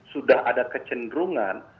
sudah ada kecenderungan